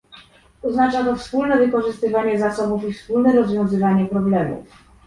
Oznacza to wspólne wykorzystywanie zasobów i wspólne rozwiązywanie problemów